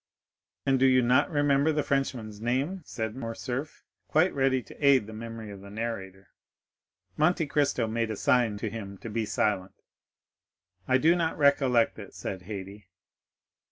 "And do you not remember the Frenchman's name?" said Morcerf, quite ready to aid the memory of the narrator. Monte Cristo made a sign to him to be silent. "I do not recollect it," said Haydée.